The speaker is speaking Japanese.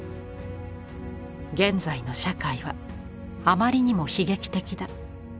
「現在の社会はあまりにも悲劇的だ。